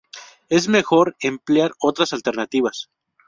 Es mejor emplear otras alternativas.